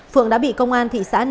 phượng đã bị công an thị xã niên